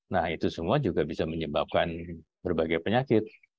nah itu semua juga bisa menyebabkan berbagai penyakit